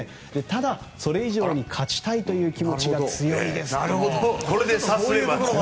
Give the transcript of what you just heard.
ただ、それ以上に勝ちたいという気持ちが強いですと。